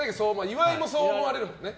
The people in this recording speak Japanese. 岩井もそう思われるからね。